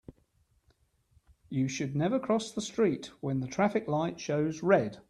You should never cross the street when the traffic light shows red.